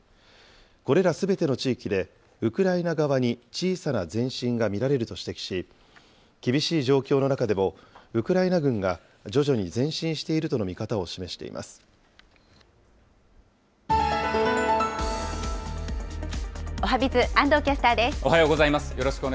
これらすべての地域で、ウクライナ側に小さな前進が見られると指摘し、厳しい状況の中でも、ウクライナ軍が徐々に前進しているとおはＢｉｚ、安藤キャスターおはようございます。